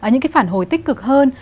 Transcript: những cái phản hồi tích cực hơn